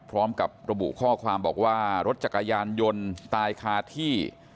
พร้อมกับระบุข้อความบอกว่ารถจักรยานยนต์ตายคาที่